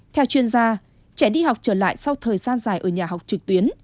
theo chuyên gia trẻ đi học trở lại sau thời gian dài ở nhà học trực tuyến